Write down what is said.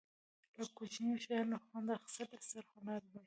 له کوچنیو شیانو خوند اخستل ستر هنر دی.